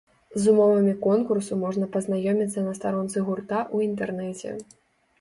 З умовамі конкурсу можна пазнаёміцца на старонцы гурта ў інтэрнэце.